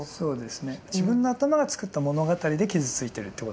自分の頭が作った物語で傷ついてるってことですね。